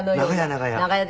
長屋長屋！